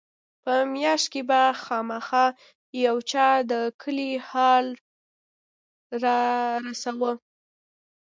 په مياشت کښې به خامخا يو چا د کلي حال رارساوه.